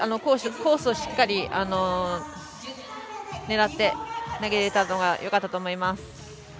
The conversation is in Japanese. コースをしっかり狙って投げれたのがよかったと思います。